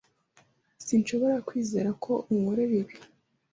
Sinshobora kwizera ko unkorera ibi.